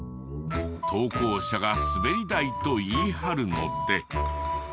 投稿者がスベリ台と言い張るので。